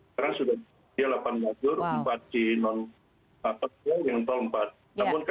sekarang sudah dia delapan lajur empat di non patoknya yang tol empat